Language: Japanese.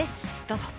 どうぞ。